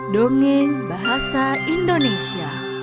dongeng bahasa indonesia